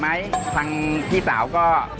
ปู่พญานาคี่อยู่ในกล่อง